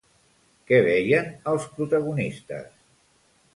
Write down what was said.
Què veien els protagonistes?